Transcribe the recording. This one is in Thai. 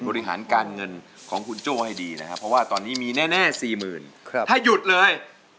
บริหารการเงินของคุณโจ้ให้ดีนะครับเพราะว่าตอนนี้มีแน่๔๐๐๐ถ้าหยุดเลย